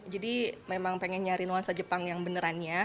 jadi memang pengen nyari nuansa jepang yang beneran ya